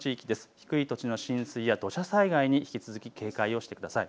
低い土地の浸水や土砂災害に引き続き警戒をしてください。